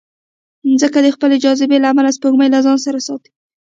مځکه د خپل جاذبې له امله سپوږمۍ له ځانه سره ساتي.